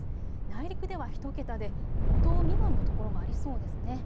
内陸では１桁で５度未満の所もありそうですね。